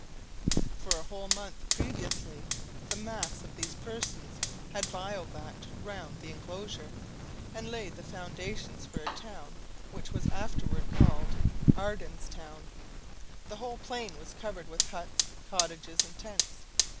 For a whole month previously, the mass of these persons had bivouacked round the enclosure, and laid the foundations for a town which was afterward called "Ardan's Town." The whole plain was covered with huts, cottages, and tents.